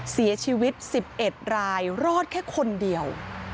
เสียชีวิต๑๑รายรอดแค่คนเดียว